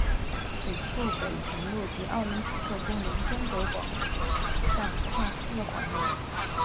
此处北辰路及奥林匹克公园中轴广场上跨四环路。